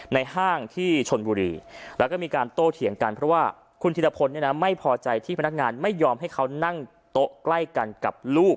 ห้างที่ชนบุรีแล้วก็มีการโต้เถียงกันเพราะว่าคุณธิรพลเนี่ยนะไม่พอใจที่พนักงานไม่ยอมให้เขานั่งโต๊ะใกล้กันกับลูก